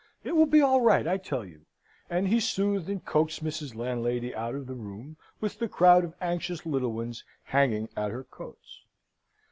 It will be all right, I tell you!" And he soothed and coaxed Mrs. Landlady out of the room, with the crowd of anxious little ones hanging at her coats.